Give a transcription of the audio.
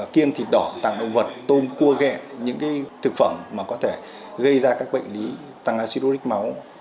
kiêng thịt đỏ tạm động vật tôm cua ghẹ những cái thực phẩm mà có thể gây ra các bệnh lý tăng acidulic máu